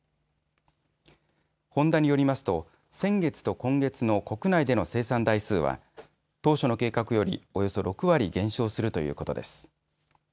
ホンダによりますと先月と今月の国内での生産台数は当初の計画より、およそ６割減少するということです。